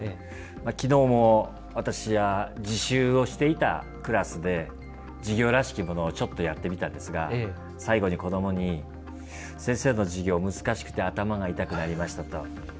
昨日も私が自習をしていたクラスで授業らしきものをちょっとやってみたんですが最後に子どもに先生の授業難しくて頭が痛くなりましたと言われました。